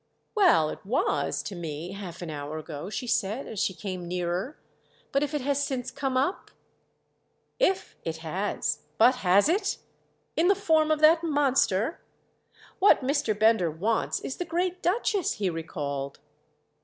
"Well, it was, to me, half an hour ago," she said as she came nearer. "But if it has since come up?" "'If' it has! But has it? In the form of that monster? What Mr. Bender wants is the great Duchess," he recalled.